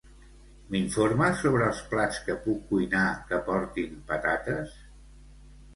M'informes sobre els plats que puc cuinar que portin patates?